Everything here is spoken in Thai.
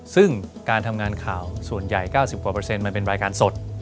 ซึ่งการทำงานข่าวส่วนใหญ่๙๐กว่ามันเป็นรายการสด